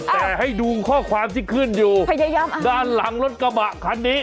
แต่ให้ดูข้อความที่ขึ้นอยู่ด้านหลังรถกระบะคันนี้